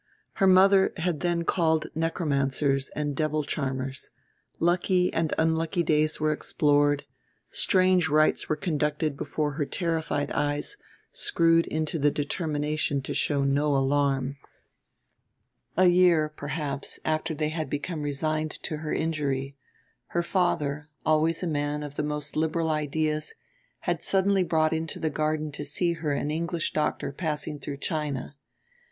Her mother had then called necromancers and devil charmers; lucky and unlucky days were explored; strange rites were conducted before her terrified eyes screwed into the determination to show no alarm. A year, perhaps, after they had become resigned to her injury, her father, always a man of the most liberal ideas, had suddenly brought into the garden to see her an English doctor passing through China.